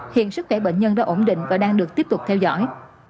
hiện sức khỏe bệnh nhân đã ổn định và đang được tiếp tục theo dõi